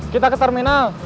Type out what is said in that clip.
kita ke terminal